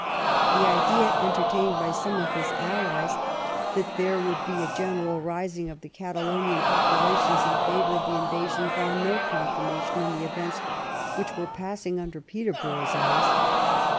The idea entertained by some of his allies that there would 132 PETERBOROUGH IN SPAIN be a general rising of the Catalonian populations in favor of the invasion found no confirmation in the events which were passing under Peterborough's eyes.